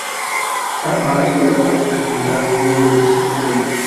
High court আবেদন খারিজ করলে তাঁরা শনিবার গভীর রাতে সুপ্রিম কোর্টে যান।